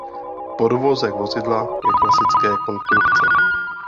Podvozek vozidla je klasické konstrukce.